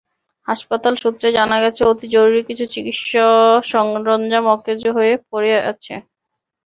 হাসপাতাল সূত্রে জানা গেছে, অতি জরুরি কিছু চিকিৎসাসরঞ্জাম অকেজো হয়ে পড়ে আছে।